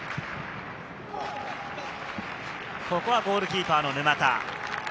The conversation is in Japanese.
ここはゴールキーパーの沼田。